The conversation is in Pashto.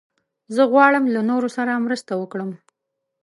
زه غواړم له نورو سره مرسته وکړم.